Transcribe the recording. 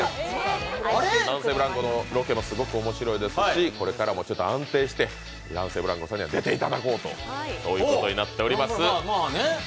男性ブランコのロケもすごく面白いですしこれからも安定して、男性ブランコさんには出ていただこうということになっています。